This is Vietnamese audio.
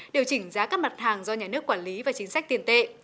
điều chỉnh giá các mặt hàng do nhà nước quản lý và chính sách tiền tệ